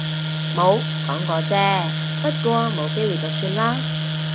冇，講過啫。不過冇機會就算喇